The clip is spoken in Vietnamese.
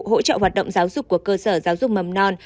hỗ trợ hoạt động giáo dục của cơ sở giáo dục mầm non